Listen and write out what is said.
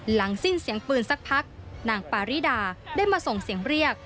หลังสิ้นเสียงปืนสักพักนางปาริดาได้มาส่งเสียงเรียก